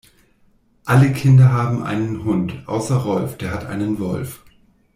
Alle Kinder haben einen Hund, außer Rolf, der hat einen Wolf.